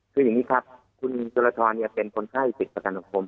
คืออย่างนี้ครับคุณจุลทรเป็นคนไข้สิทธิ์ประกันสังคม